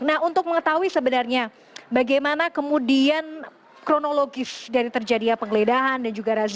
nah untuk mengetahui sebenarnya bagaimana kemudian kronologis dari terjadinya penggeledahan dan juga razia